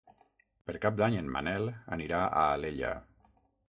Per Cap d'Any en Manel anirà a Alella.